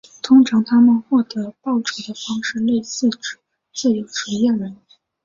通常他们获得报酬的方式类似自由职业人。